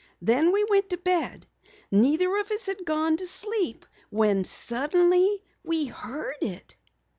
Then we went to bed. Neither of us had gone to sleep when suddenly we heard it!"